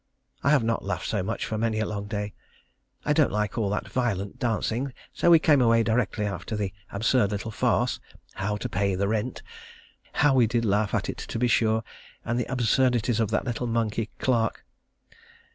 I have not laughed so much for many a long day. I don't like all that violent dancing, so we came away directly after the absurd little farce "How to Pay the Rent." How we did laugh at it to be sure, and the absurdities of that little monkey, Clark.